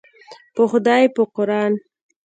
په خدای په قوران.